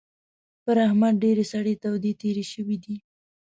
پر احمد ډېرې سړې تودې تېرې شوې دي.